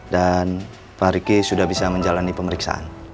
dan pak riki sudah bisa menjalani pemeriksaan